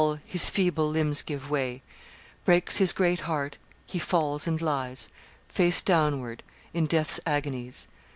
his feeble limbs give way; Breaks his great heart; he falls and lies, Face downward, in death's agonies!